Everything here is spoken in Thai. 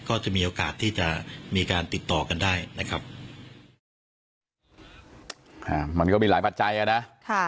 ก็จะมีโอกาสที่จะมีการติดต่อกันได้นะครับอ่ามันก็มีหลายปัจจัยอ่ะนะค่ะ